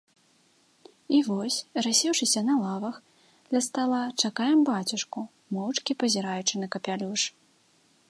І вось, рассеўшыся на лавах, ля стала, чакаем бацюшку, моўчкі пазіраючы на капялюш.